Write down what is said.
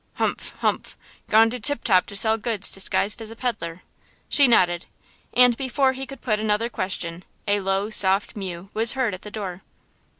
"Humph! humph! gone to Tip top to sell goods disguised as a peddler!" She nodded. And before he could put another question a low, soft mew was heard at the door.